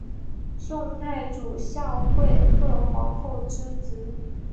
宋太祖孝惠贺皇后之侄。